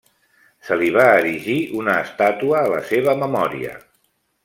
Se li va erigir una estàtua a la seva memòria.